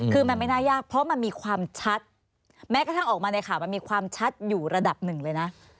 คือมันไม่น่ายากเพราะมันมีความชัดแม้กระทั่งออกมาในข่าวมันมีความชัดอยู่ระดับหนึ่งเลยนะ